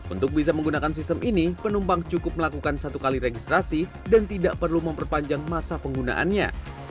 untuk bisa menggunakan sistem ini penumpang cukup melakukan satu kali registrasi dan tidak perlu memperpanjang masa penggunaannya